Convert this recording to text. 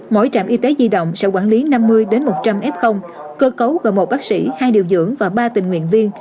mỗi trạm y tế di động sẽ quản lý năm mươi một trăm linh f cơ cấu gồm một bác sĩ hai điều dưỡng và ba tình nguyện viên